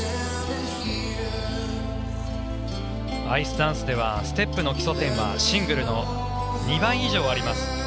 アイスダンスではステップの基礎点はシングルの２倍以上あります。